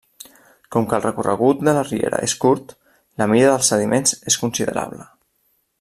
Com que el recorregut de la riera és curt, la mida dels sediments és considerable.